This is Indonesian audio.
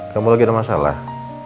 kamu lagi ada masalah